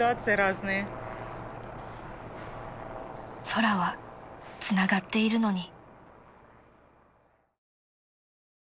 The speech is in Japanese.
［空はつながっているのに］